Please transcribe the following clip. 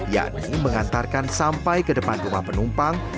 yakni mengantarkan sampai ke depan rumah penumpang